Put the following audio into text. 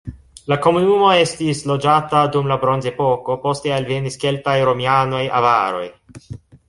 La komunumo estis loĝata dum la bronzepoko, poste alvenis keltoj, romianoj, avaroj.